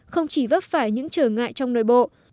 không chỉ vấp phải những trở ngại trong nội bộ